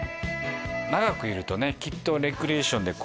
長くいるとねきっと。